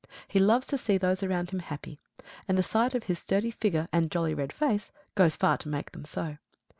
He loves to see those around him happy; and the sight of his sturdy figure and jolly red face goes far to make them so.